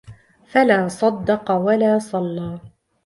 فَلا صَدَّقَ وَلا صَلَّى